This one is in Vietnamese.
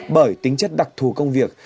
bởi tính chất đặc thủ công việc